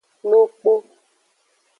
Lokpo.